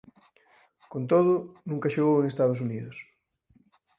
Con todo nunca xogou en Estados Unidos.